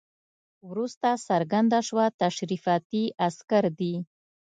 وروسته څرګنده شوه تشریفاتي عسکر دي.